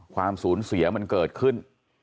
ความสูญเสียมันเกิดขึ้น